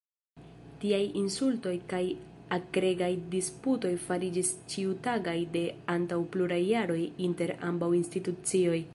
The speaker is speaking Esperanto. Tiaj insultoj kaj akregaj disputoj fariĝis ĉiutagaj de antaŭ pluraj jaroj inter ambaŭ institucioj.